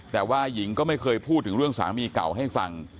แต่ว่าหญิงก็ไม่เคยพูดถึงเรื่องสามีเก่าให้ฟัง